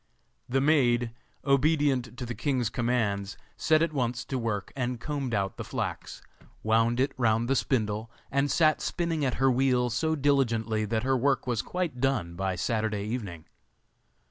The maid, obedient to the king's commands, set at once to work and combed out the flax, wound it round the spindle, and sat spinning at her wheel so diligently that her work was quite done by Saturday evening.